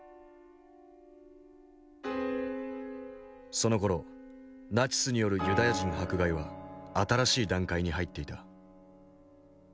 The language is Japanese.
そのころナチスによるユダヤ人迫害は新しい段階に入っていた。